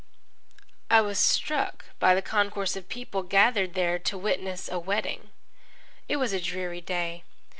I was struck by the concourse of people gathered there to witness a wedding. It was a dreary day.